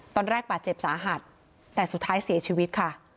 ตอนแรกบาดเจ็บสาหัสแต่สุดท้ายเสียชีวิตค่ะ